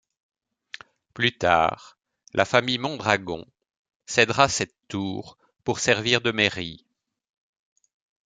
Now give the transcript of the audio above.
Plus tard, la famille de Mondragon cédera cette tour pour servir de mairie.